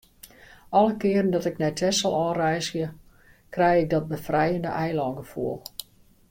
Alle kearen dat ik nei Texel ôfreizgje, krij ik dat befrijende eilângefoel.